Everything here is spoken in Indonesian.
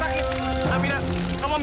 kamu cepetan dong